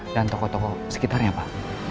dan toko toko sekitarnya pak